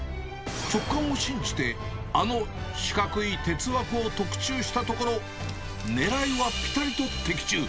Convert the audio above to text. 直感を信じてあの四角い鉄枠を特注したところ、ねらいはぴたりと的中。